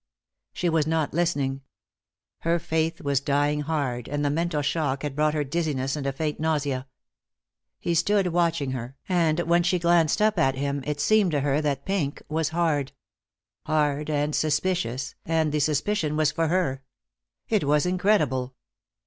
She was not listening. Her faith was dying hard, and the mental shock had brought her dizziness and a faint nausea. He stood watching her, and when she glanced up at him it seemed to her that Pink was hard. Hard and suspicious, and the suspicion was for her. It was incredible.